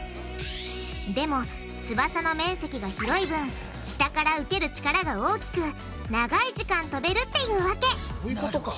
でも翼の面積が広い分下から受ける力が大きく長い時間飛べるっていうわけそういうことか。